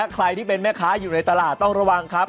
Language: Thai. ใครที่เป็นแม่ค้าอยู่ในตลาดต้องระวังครับ